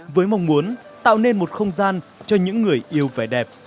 với mong muốn tạo nên một không gian cho những người yêu vẻ đẹp